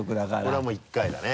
これはもう１回だね